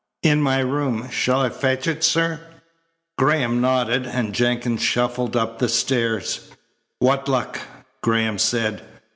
"In my room. Shall I fetch it, sir?" Graham nodded, and Jenkins shuffled up the stairs. "What luck!" Graham said.